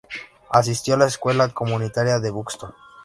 Asistió a la escuela comunitaria de Buxton.